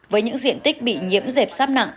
với những diện tích bị nhiễm dẹp sáp nặng